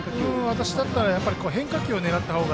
私だったら変化球を狙った方が。